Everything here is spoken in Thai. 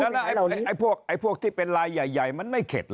แล้วพวกที่เป็นลายใหญ่มันไม่เข็ดเหรอ